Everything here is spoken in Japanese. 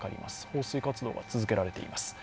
放水活動が続けられています。